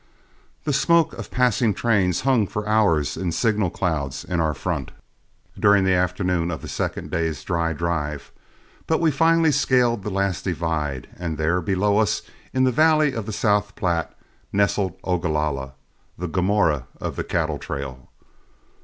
The smoke of passing trains hung for hours in signal clouds in our front, during the afternoon of the second day's dry drive, but we finally scaled the last divide, and there, below us in the valley of the South Platte, nestled Ogalalla, the Gomorrah of the cattle trail.